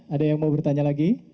ada yang mau bertanya lagi